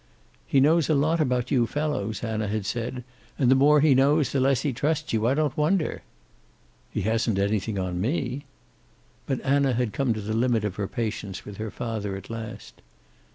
"He knows a lot about you fellows," Anna had said. "And the more he knows the less he trusts you. I don't wonder." "He hasn't anything on me." But Anna had come to the limit of her patience with her father at last.